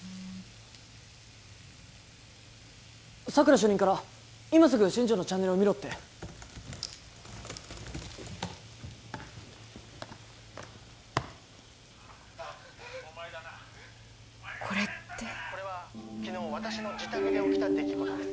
佐久良主任から今すぐ新城のチャンネルを見ろってお前だなお前がまたこれってこれは昨日私の自宅で起きた出来事です